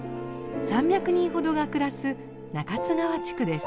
３００人ほどが暮らす中津川地区です。